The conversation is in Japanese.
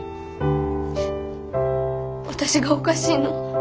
私がおかしいの？